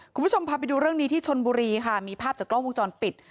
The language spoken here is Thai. คุณผู้ชมพาไปดูเรื่องนี้ที่ชนบุรีค่ะมีภาพจากกล้องวงจรปิด